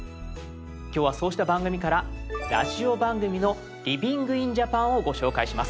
今日はそうした番組からラジオ番組の「ＬｉｖｉｎｇｉｎＪａｐａｎ」をご紹介します。